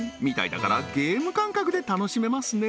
だからゲーム感覚で楽しめますね